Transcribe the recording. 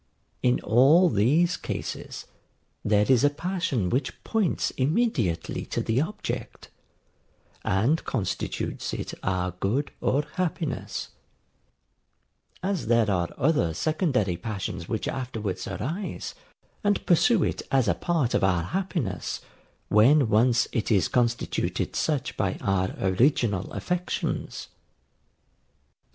In all these cases there is a passion which points immediately to the object, and constitutes it our good or happiness; as there are other secondary passions which afterwards arise, and pursue it as a part of our happiness, when once it is constituted such by our original affections.